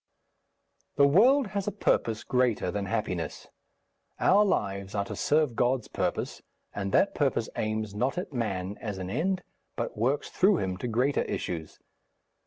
The world has a purpose greater than happiness; our lives are to serve God's purpose, and that purpose aims not at man as an end, but works through him to greater issues....